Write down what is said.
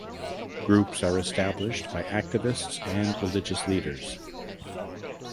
Groups are established by activists and religious leaders.